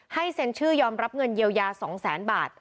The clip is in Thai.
เซ็นชื่อยอมรับเงินเยียวยา๒๐๐๐๐บาท